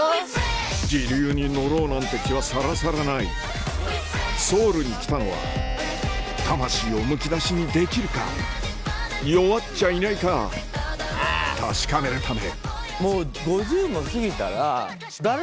時流に乗ろうなんて気はさらさらないソウルに来たのは魂をむき出しにできるから弱っちゃいないか確かめるため・